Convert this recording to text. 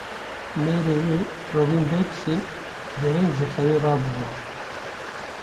Mêrê wê Robîn Beg jî dereng ji xewê rabûbû.